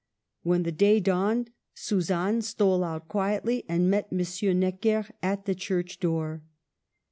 When the day dawned, Suzanne stole out quietly and met M. Necker at the church door.